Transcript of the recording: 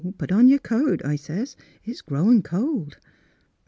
Put on your coat,' I sez ;* it's growin' cold.'